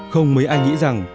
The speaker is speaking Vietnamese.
không mấy ai nghĩ rằng